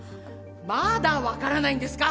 まだ分からないんですか！